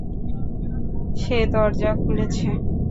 সে দরজা খুলেছে।